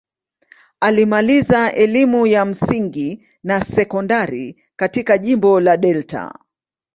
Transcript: Alimaliza elimu ya msingi na sekondari katika jimbo la Delta.